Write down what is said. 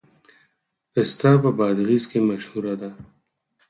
پسته په بادغیس کې مشهوره ده